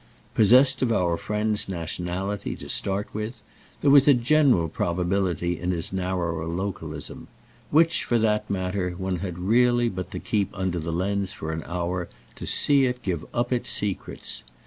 Possessed of our friend's nationality, to start with, there was a general probability in his narrower localism; which, for that matter, one had really but to keep under the lens for an hour to see it give up its secrets.